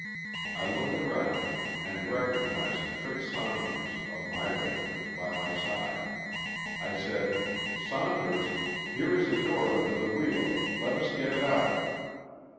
I looked around and recognized Fritz Saunders, of ray regiment, by my side. I said, ^' Saun ders, here is a door under the wheel, let us get it out."